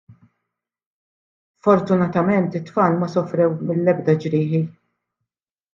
Fortunatament it-tfal ma sofrew mill-ebda ġrieħi.